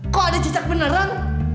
kok ada cicak beneran